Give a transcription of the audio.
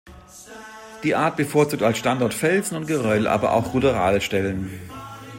Die Art bevorzugt als Standort Felsen und Geröll, aber auch Ruderalstellen.